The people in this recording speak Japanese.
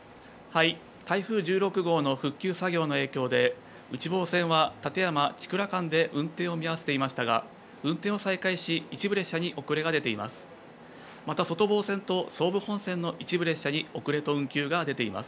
台風１６号の復旧作業の影響で、内房線は館山・千倉間で運転を見合わせていましたが、運転を再開し、一部列車に遅れが出ています。